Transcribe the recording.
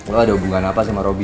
lo ada hubungan apa sama robby